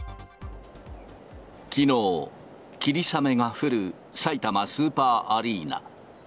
きのう、霧雨が降るさいたまスーパーアリーナ。